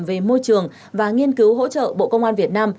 về môi trường và nghiên cứu hỗ trợ bộ công an việt nam